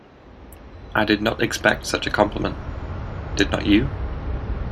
I did not expect such a compliment. Did not you?